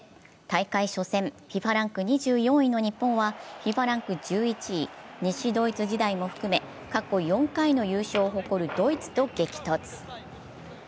大会初戦、ＦＩＦＡランク２４位の日本はＦＩＦＡランク１１位、西ドイツ時代も含め過去４回の優勝を誇るドイツと激突。